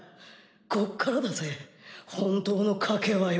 こっからだぜ本当の賭けはよ。